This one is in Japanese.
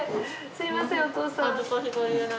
すみませんお父さん。